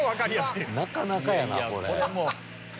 なかなかやなこれ。